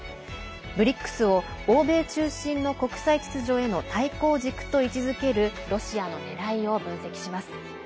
ＢＲＩＣＳを欧米中心の国際秩序への対抗軸と位置づけるロシアのねらいを分析します。